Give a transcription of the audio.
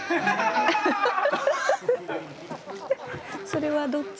それはどっち？